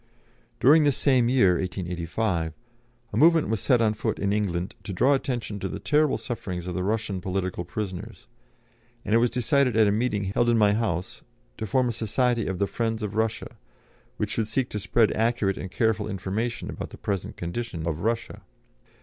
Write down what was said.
During this same year (1885) a movement was set on foot in England to draw attention to the terrible sufferings of the Russian political prisoners, and it was decided at a meeting held in my house to form a society of the friends of Russia, which should seek to spread accurate and careful information about the present condition of Russia.